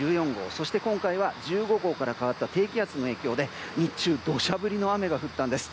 そして今回は１５号から変わった低気圧の影響で日中は土砂降りの雨が降ったんです。